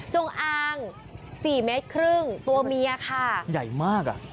จงอาง๔๕เมตรตัวเมียค่ะใหญ่มากอะ